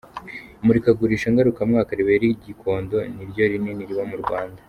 Imurikagurisha ngarukamwaka ribera i Gikondo, niryo rinini riba mu Rwanda.